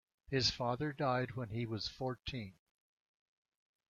His father died when he was fourteen.